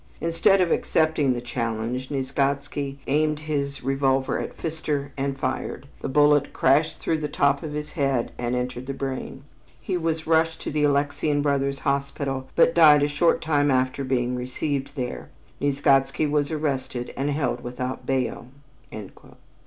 Instead of accepting the challenge, Nieczgodzki aimed his revolver at Pfister and fired. The bullet crashed through the top of his head and entered the brain. He was rushed to the Alexian Brothers' Hospital, but died a short time after being received there. Nieczgodzki was arrested and held without bail."